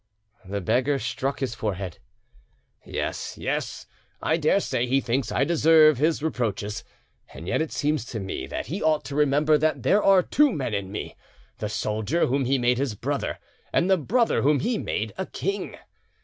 The beggar struck his forehead. "Yes, yes! I daresay he thinks I deserve his reproaches, and yet it seems to me that he ought to remember that there are two men in me—the soldier whom he made his brother, and the brother whom he made a king....